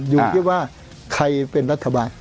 อยู่ที่ว่าใครเป็นรัฐบาล